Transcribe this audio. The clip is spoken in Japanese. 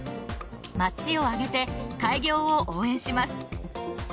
町を挙げて開業を応援します。